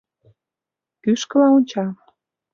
Кӱшкыла онча.